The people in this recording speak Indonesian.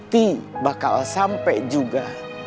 pasti bakal sampai juga